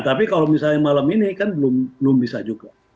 tapi kalau misalnya malam ini kan belum bisa juga